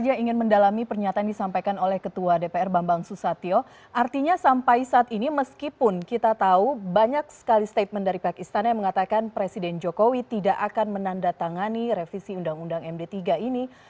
saya ingin mendalami pernyataan disampaikan oleh ketua dpr bambang susatyo artinya sampai saat ini meskipun kita tahu banyak sekali statement dari pihak istana yang mengatakan presiden jokowi tidak akan menandatangani revisi undang undang md tiga ini